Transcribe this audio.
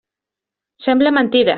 Sembla mentida!